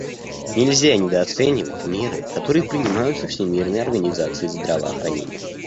Нельзя недооценивать меры, которые принимаются Всемирной организацией здравоохранения.